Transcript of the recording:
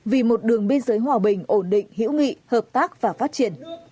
vì một đường biên giới hòa bình ổn định hữu nghị hợp tác và phát triển